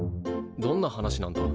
どんな話なんだ？